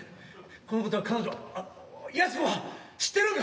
このことは彼女あの靖子は知ってるんか？